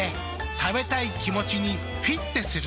食べたい気持ちにフィッテする。